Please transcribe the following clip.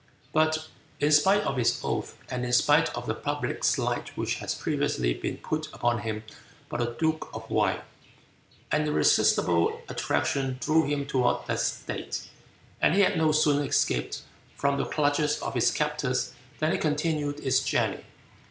But in spite of his oath, and in spite of the public slight which had previously been put upon him by the duke of Wei, an irresistible attraction drew him toward that state, and he had no sooner escaped from the clutches of his captors than he continued his journey.